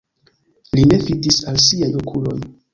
Li ne fidis al siaj okuloj.